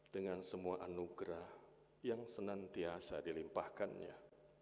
dengan semua anugerah yang senantiasa dilimpahkannya